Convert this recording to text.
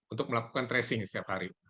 untuk melakukan tracing setiap hari